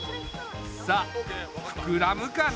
さあふくらむかな？